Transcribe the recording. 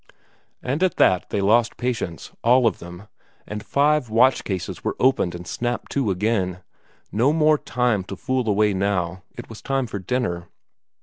And at that they lost patience, all of them, and five watch cases were opened and snapped to again; no more time to fool away now; it was time for dinner.